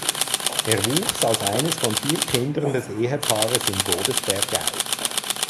Er wuchs als eines von vier Kindern des Ehepaares in Godesberg auf.